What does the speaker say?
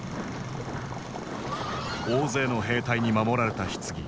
大勢の兵隊に守られたひつぎ。